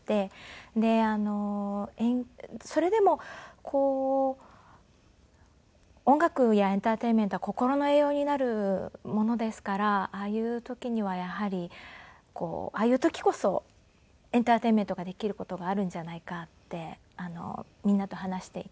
でそれでもこう音楽やエンターテインメントは心の栄養になるものですからああいう時にはやはりああいう時こそエンターテインメントができる事があるんじゃないかってみんなと話していて。